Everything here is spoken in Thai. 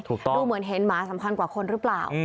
ดูเหมือนเห็นหมาสำคัญกว่าคนหรือเปล่า